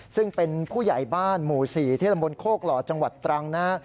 ซึ่งเป็นผู้ใหญ่บ้านหมู่๔ที่ตำบลโคกหล่อจังหวัดตรังนะฮะ